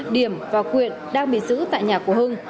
điểm và quyện đang bị giữ tại nhà của hưng